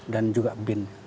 dan juga bin